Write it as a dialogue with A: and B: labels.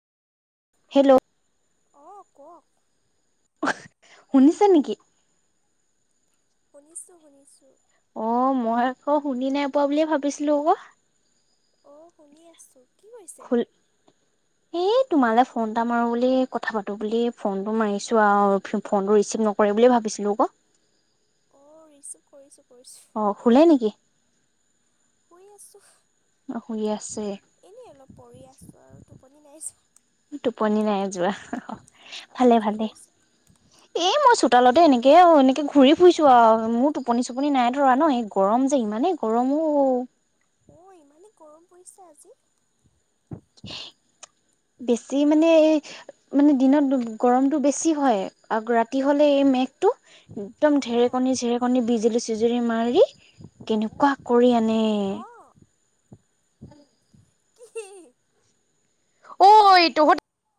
A: Hello,
B: অ', কওক
A: শুনিছা নেকি
B: শুনিছোঁ শুনিছোঁ
A: অ', মই আকৌ শুনি নাই পোৱা বুলিয়ে ভাবিছিলো আকৌ
B: অ', শুনি আছো কি কৰিছেনো
A: হেইত তোমালে ফোন এটা মাৰো বুলি কথা পাতো বুলি ফোন টো মাৰিছো আৰু ফোনটো ৰিচিভ নকৰে বুলি ভাবি বিষ্ণুকো
B: কৰিছো
A: অ শুলে নেকি
B: শুই আছো।
A: অ', শুই আছে।
B: পঢ়ি আছো আৰু টোপনি নাইছোন।
A: টোপনি নাই যোৱা অহ
B: যোৱা
A: ভালে
B: আপুনি কি
A: ভালে
B: কৰিছে
A: এ মই চোতালতে এনেকে এনেকে ঘূৰি ফুৰিছো আৰু মোৰ টোপনি চোপনি নাই। [unintelligible] ন এই গৰম যে ইমানেই গৰম ও
B: অ' ইমানেই গৰম পৰিছে আজি।
A: [unintelligible] বেছি মানে মানে দিনত গৰমটো বেছি হয়। আগ ৰাতি ৰাতি হ'লে এই মেঘটো একদম ঢেৰেকণী
B: অঁ
A: চেৰেকণী বিজুলীছ বিজুলী মাৰি কেনেকুৱা কৰি আনে।
B: অঁ কি?
A: অ' এই তহঁত